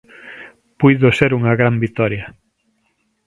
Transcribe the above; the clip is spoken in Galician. Puido ser unha gran vitoria.